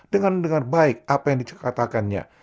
dengar dengan baik apa yang dikatakannya